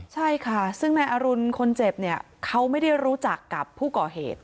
ใช่ค่ะซึ่งนายอรุณคนเจ็บเนี่ยเขาไม่ได้รู้จักกับผู้ก่อเหตุ